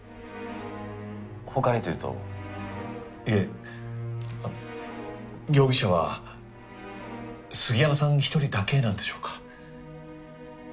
いえあっ容疑者は杉山さん一人だけなんでしょうか？